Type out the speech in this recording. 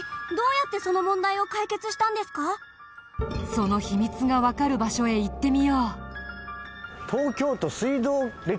その秘密がわかる場所へ行ってみよう。